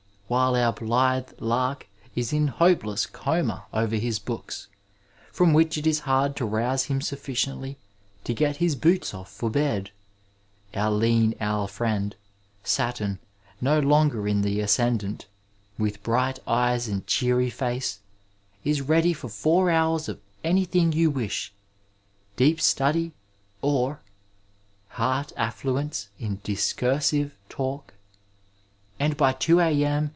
while our blithe lark is in hopeless coma over his books, from which it is hard to rouse him sufficiently to get his boots off for bed, our lean owl fciend, Saturn no longer in the ascendant, with bright eyes and cheery face, is ready for four hours of anjrthing you wish— deep study, or Heart affluenoe in disoonniTe talk, and by 2 a.m.